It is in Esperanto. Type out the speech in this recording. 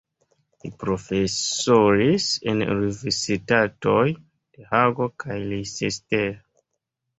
Li profesoris en universitatoj de Hago kaj Leicester.